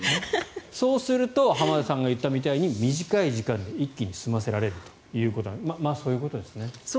そうすると浜田さんが言ったみたいに短い時間で一気に済ませられるということなのでそういうことですね。